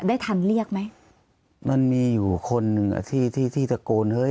ได้ทันเรียกไหมมันมีอยู่คนหนึ่งอ่ะที่ที่ตะโกนเฮ้ย